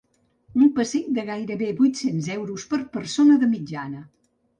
Un pessic de gairebé vuit-cents euros per persona de mitjana.